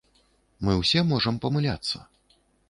Мы ўсе можам памыляцца.